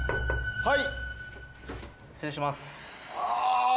はい。